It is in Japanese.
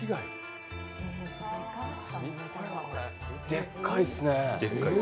でっかいっすね。